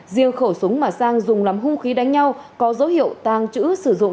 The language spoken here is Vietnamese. riêng khẩu súng mà sang dùng làm hung khí đánh nhau có dấu hiệu tàng trữ sử dụng